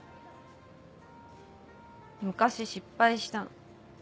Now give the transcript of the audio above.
昔失敗したの。